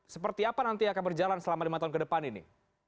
seperti apa nanti akan berjalan selama lima tahun ke depan ini